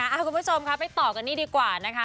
เอ้าคุณผู้ชมครับไปต่อกันดีกว่านะคะ